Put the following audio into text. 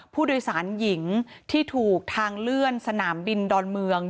ผู้โดยสารหญิงที่ถูกทางเลื่อนสนามบินดอนเมือง